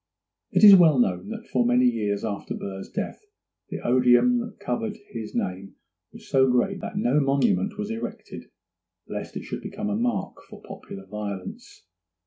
It is well known that for many years after Burr's death the odium that covered his name was so great that no monument was erected, lest it should become a mark for popular violence.